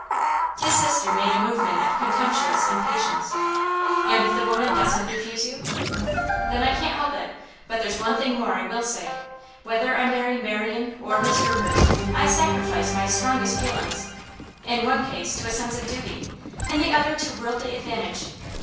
His sister made a movement of contemptuous impatience. 'And if the woman doesn't refuse you?' 'Then I can't help it. But there's one thing more I will say. Whether I marry Marian or Miss Rupert, I sacrifice my strongest feelings in the one case to a sense of duty, in the other to worldly advantage.